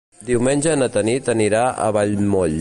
Diumenge na Tanit anirà a Vallmoll.